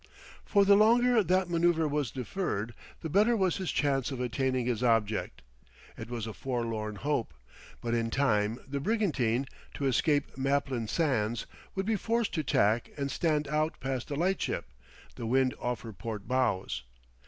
For the longer that manoeuver was deferred, the better was his chance of attaining his object. It was a forlorn hope. But in time the brigantine, to escape Maplin Sands, would be forced to tack and stand out past the lightship, the wind off her port bows.